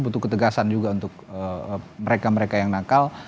butuh ketegasan juga untuk mereka mereka yang nakal